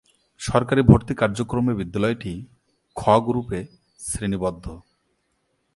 সরকারি ভর্তি কার্যক্রমে বিদ্যালয়টি "খ" গ্রুপে শ্রেণিবদ্ধ।